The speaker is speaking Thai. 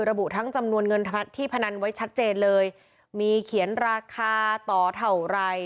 ระบุทั้งจำนวนเงินที่พนันไว้ชัดเจนเลยมีเขียนราคาต่อเท่าไร